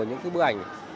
những cái bức ảnh